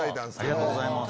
ありがとうございます。